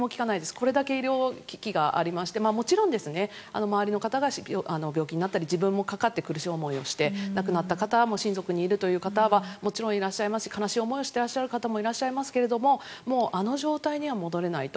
これだけ医療危機がありましてもちろん周りの方が病気になったり自分もかかって苦しい思いをして亡くなった方も親族にいるという方はもちろんいますし悲しい思いをしてらっしゃる方もいますがあの状態には戻れないと。